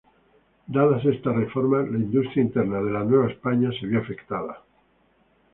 Dadas estas reformas, la industria interna de la Nueva España se vio afectada.